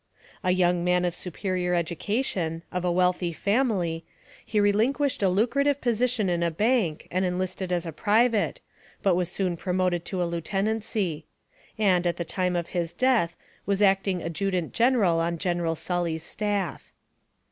A young man of superior education, of a wealthy family, he relinquished a lucrative position in a bank, and enlisted as a private, but was soon pro moted to a lieutenancy; and, at the time of his death, was acting Adjutant General on General Sully 's staff.